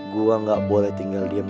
gue gak boleh tinggal diam